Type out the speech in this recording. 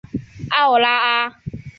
奥拉阿。